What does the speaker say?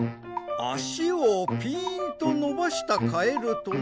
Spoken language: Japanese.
あしをぴーんとのばしたカエルとな？